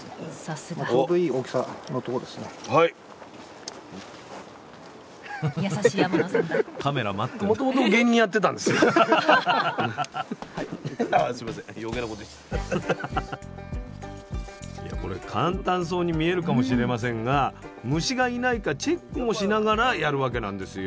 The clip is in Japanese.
スタジオいやこれ簡単そうに見えるかもしれませんが虫がいないかチェックもしながらやるわけなんですよ。